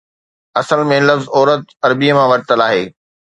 اصل ۾ لفظ عورت عربيءَ مان ورتل آهي